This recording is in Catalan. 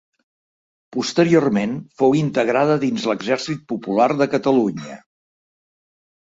Posteriorment fou integrada dins l'exèrcit popular de Catalunya.